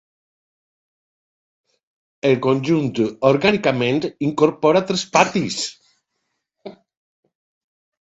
El conjunt orgànicament incorpora tres patis.